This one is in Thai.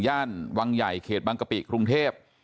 วังใหญ่เขตบางกะปิกรุงเทพ